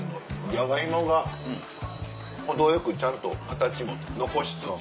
ジャガイモが程よくちゃんと形も残しつつ。